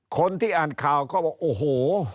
คนที่อ่านข่าวก็บอกโอ้โห